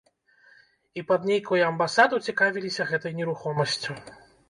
І пад нейкую амбасаду цікавіліся гэтай нерухомасцю.